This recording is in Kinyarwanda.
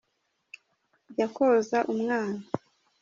jya koza umwana.